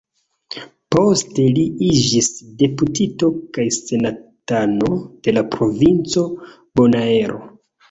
Poste li iĝis deputito kaj senatano de la provinco Bonaero.